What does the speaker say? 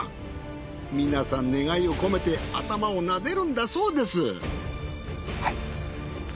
皆さん願いを込めて頭を撫でるんだそうです。